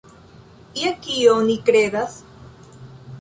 Je kio ni kredas?